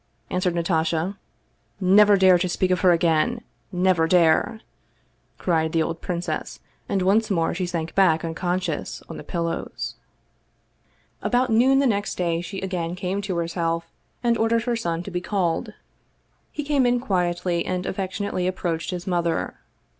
" answered Natasha. " Never dare to speak of her again ! Never dare !" cried the old princess, and once more she sank back unconscious on the pillows. About noon the next day she again came to herself, and ordered her son to be called. He came in quietly, and affectionately approached his mother.